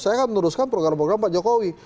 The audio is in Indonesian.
saya akan meneruskan program program pak jokowi